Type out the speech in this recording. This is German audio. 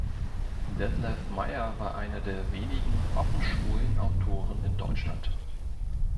Detlev Meyer war einer der wenigen offen schwulen Autoren in Deutschland.